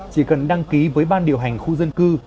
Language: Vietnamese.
chỉ cần đăng ký với ban điều hành khu dân cư